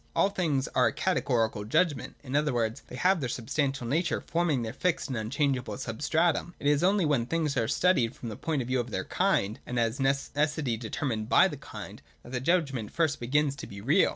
All things are a Categorical judg ment. In other words, they have their substantial nature, forming their fixed and unchangeable substratum. It is only when things are studied from the point of view of their kind, and as with necessity determined by the kind, that the judgment first begins to be real.